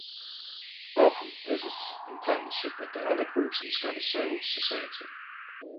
Often, this is in partnership with other groups in Scottish civil society.